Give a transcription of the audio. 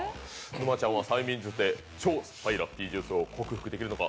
沼ちゃんは催眠術で超酸っぱいラッピージュースを克服できるのか。